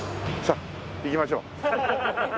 さあ行きましょう。